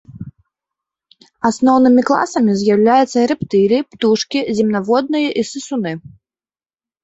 Асноўнымі класамі з'яўляюцца рэптыліі, птушкі, земнаводныя і сысуны.